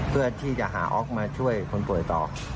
เพื่อที่จะหาอ๊อกมาช่วยคนป่วยต่อ